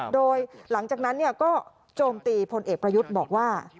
โดยหลังจากนั้นก็โจมตีพลเอกประยุทธ์บอกว่า